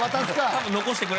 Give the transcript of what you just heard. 多分残してくれたと。